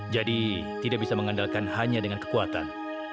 jadi tidak bisa mengandalkan hanya dengan kekuatan